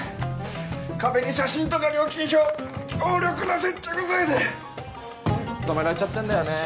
壁に写真とか料金表強力な接着剤で留められちゃってんだよね。